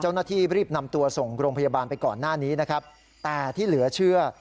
เจ้าหน้าที่รีบนำตัวส่งโรงพยาบาลไปก่อนหน้านี้นะครับแต่ที่เหลือเชื่อ